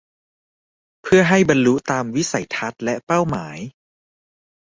เพื่อให้บรรลุตามวิสัยทัศน์และเป้าหมาย